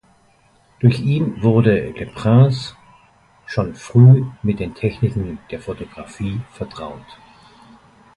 Durch ihn wurde Le Prince schon früh mit den Techniken der Fotografie vertraut.